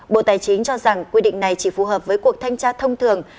bộ tài chính cho rằng quy định này chỉ phù hợp với cuộc thanh tra thông thường